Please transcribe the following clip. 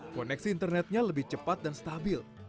koneksi internetnya lebih cepat dan stabil